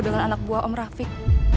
dengan anak buah om rafiq